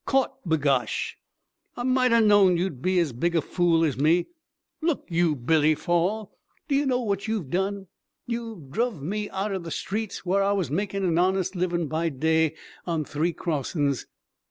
"Caught, b'gosh! I mighter known you'd be as big a fool as me! Look you, Billy Fall, do you know what you've done? You've druv me out er the streets whar I was makin' an honest livin', by day, on three crossin's!